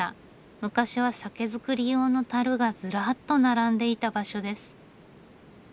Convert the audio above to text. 昔は酒造り用の樽がずらっと並んでいた場所です。